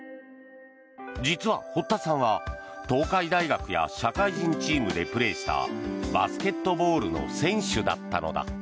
実は堀田さんは、東海大学や社会人チームでプレーしたバスケットボールの選手だったのだ。